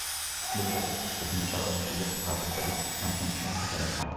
দুর্বলতা, রক্তশূন্যতা, অরুচি, বমির ভাব ইত্যাদি আনুষঙ্গিক সমস্যা সাধারণত থাকে না।